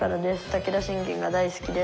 武田信玄が大好きです」。